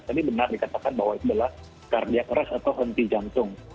tadi benar dikatakan bahwa itu adalah kardia keras atau henti jantung